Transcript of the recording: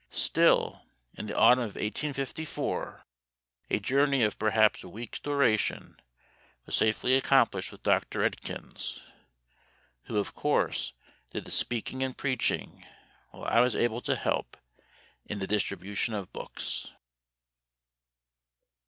Still, in the autumn of 1854 a journey of perhaps a week's duration was safely accomplished with Dr. Edkins, who of course did the speaking and preaching, while I was able to help in the distribution of books.